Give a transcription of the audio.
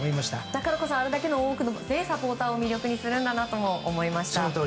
だからこそあれだけの多くのサポーターを魅了するんだなと思いました。